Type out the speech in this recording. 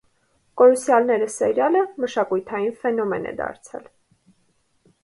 «Կորուսյալները» սերիալը մշակութային ֆենոմեն է դարձել։